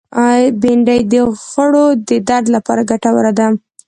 بېنډۍ د غړو د درد لپاره ګټوره ده